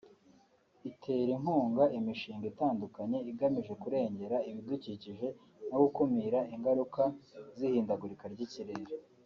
itera inkunga imishinga itandukanye igamije kurengera ibidukikije no gukumira ingaruka z’ihindagurika ry’ibihe